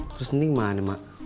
terus ini mah nih mak